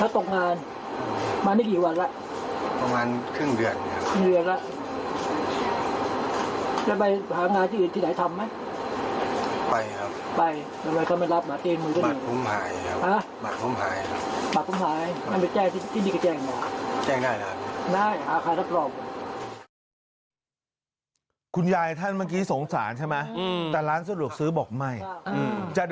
ทำไมเขาไม่รับบัตรเองมือเงิน